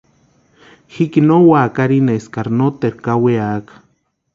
Jikini no úaka arhini eskari noteru kawiaka.